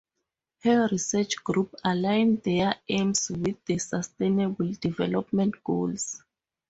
Her research group align their aims with the Sustainable Development Goals.